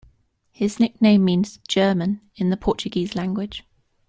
His nickname means "German" in the Portuguese language.